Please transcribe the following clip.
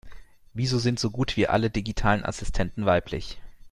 Wieso sind so gut wie alle digitalen Assistenten weiblich?